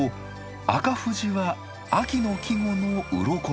赤富士は秋の季語のうろこ雲。